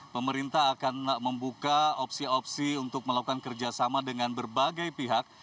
pemerintah akan membuka opsi opsi untuk melakukan kerjasama dengan berbagai pihak